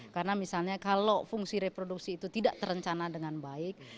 karena misalnya kalau fungsi reproduksi itu tidak terencana dengan baik